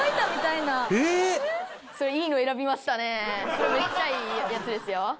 それめっちゃいいやつですよ。